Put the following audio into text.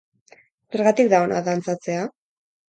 Zergatik da ona dantzatzea?